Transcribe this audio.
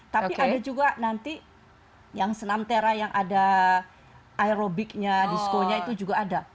tapi ada juga nanti yang senam terra yang ada aerobiknya diskonya itu juga ada